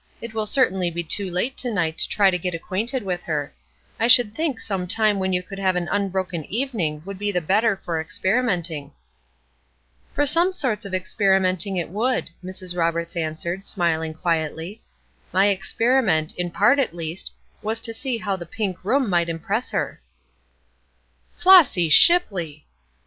It will certainly be too late to night to try to get acquainted with her. I should think some time when you could have an unbroken evening would be the better for experimenting." "For some sorts of experimenting it would," Mrs. Roberts answered, smiling quietly; "my experiment, in part at least, was to see how the pink room might impress her." "Flossy Shipley!"